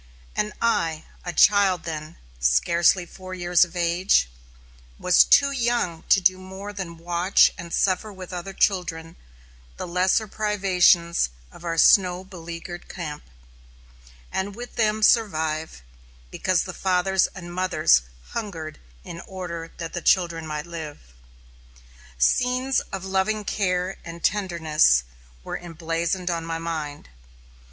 And I, a child then, scarcely four years of age, was too young to do more than watch and suffer with other children the lesser privations of our snow beleaguered camp; and with them survive, because the fathers and mothers hungered in order that the children might live. Scenes of loving care and tenderness were emblazoned on my mind.